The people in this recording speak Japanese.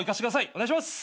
お願いします。